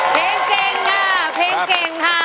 เพลงเก่งค่ะ